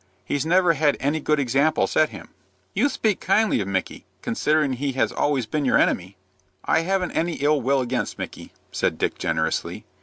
He's never had any good example set him." "You speak kindly of Micky, considering he has always been your enemy." "I haven't any ill will against Micky," said Dick, generously.